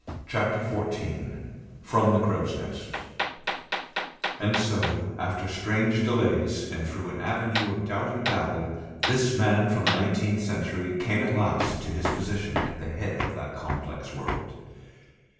CHAPTER XIV FROM THE CROW'S NEST And so after strange delays and through an avenue of doubt and battle, this man from the nineteenth century came at last to his position at the head of that complex world.